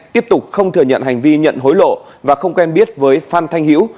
tiếp tục không thừa nhận hành vi nhận hối lộ và không quen biết với phan thanh hiễu